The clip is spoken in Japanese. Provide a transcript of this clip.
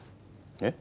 えっ？